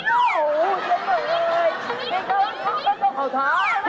โอ้โฮหนูเจ๋อ